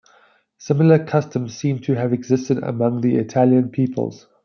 Similar customs seem to have existed among the Italian peoples.